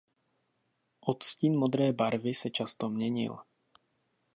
Odstín modré barvy se často měnil.